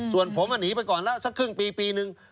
ส่วนผมหนีไปก่อนแล้วสักครึ่งปีปีนึง